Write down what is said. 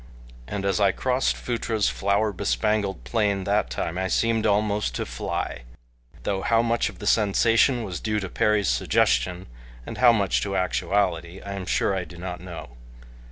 And as I crossed Phutra's flower bespangled plain that time I seemed almost to fly, though how much of the sensation was due to Perry's suggestion and how much to actuality I am sure I do not know.